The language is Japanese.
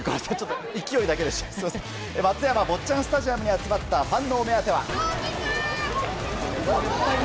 松山・坊っちゃんスタジアムに集まったファンの目当ては。